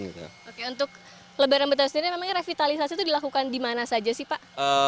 oke untuk lebaran betawi sendiri memang revitalisasi itu dilakukan di mana saja sih pak